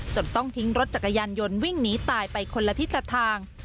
ต้องทิ้งรถจักรยานยนต์วิ่งหนีตายไปคนละทิศละทาง